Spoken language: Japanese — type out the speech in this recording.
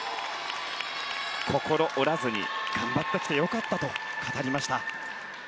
心折らずに頑張ってきて良かったと語りました。